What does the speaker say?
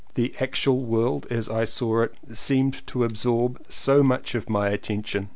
The actual world as I saw it seemed to absorb so much of my attention.